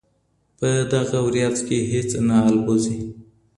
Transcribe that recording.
په دغه وريځ کي هیڅ نه البوځي.